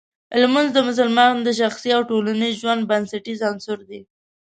لمونځ د مسلمان د شخصي او ټولنیز ژوند بنسټیز عنصر دی.